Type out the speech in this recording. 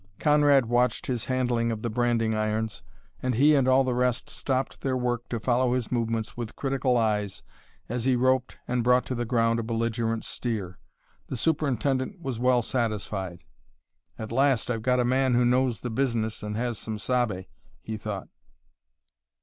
Conrad watched his handling of the branding irons, and he and all the rest stopped their work to follow his movements with critical eyes as he roped and brought to the ground a belligerent steer. The superintendent was well satisfied. "At last I've got a man who knows the business and has some sabe," he thought.